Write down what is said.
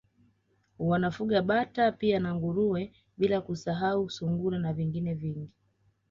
Wanafuga Bata pia na Nguruwe bila kusahau Sungura na vingine vingi